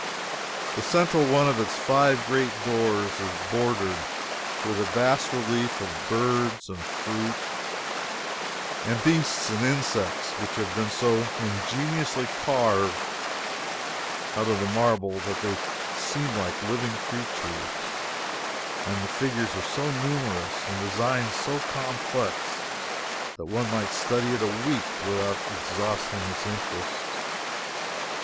The central one of its five great doors is bordered with a bas relief of birds and fruits and beasts and insects, which have been so ingeniously carved out of the marble that they seem like living creatures and the figures are so numerous and the design so complex that one might study it a week without exhausting its interest.